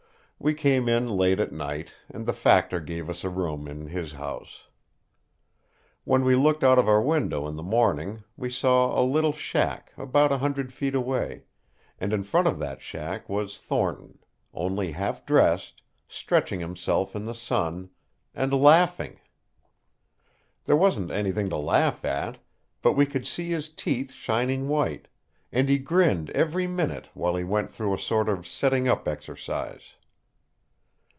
We came in late at night, and the factor gave us a room in his house. When we looked out of our window in the morning, we saw a little shack about a hundred feet away, and in front of that shack was Thornton, only half dressed, stretching himself in the sun, and LAUGHING. There wasn't anything to laugh at, but we could see his teeth shining white, and he grinned every minute while he went through a sort of setting up exercise.